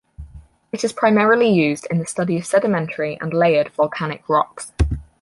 It is primarily used in the study of sedimentary and layered volcanic rocks.